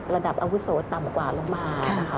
ระดับอาวุโสต่ำกว่าลงมา